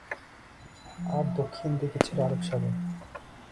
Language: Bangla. আর দক্ষিণ দিকে ছিল আরব সাগর।